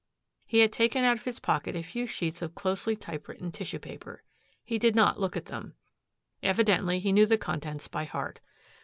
He had taken out of his pocket a few sheets of closely typewritten tissue paper. He did not look at them. Evidently he knew the contents by heart.